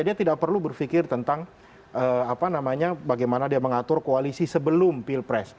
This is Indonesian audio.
dia tidak perlu berpikir tentang bagaimana dia mengatur koalisi sebelum pilpres